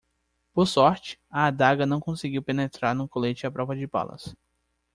Por sorte, a adaga não conseguiu penetrar no colete à prova de balas.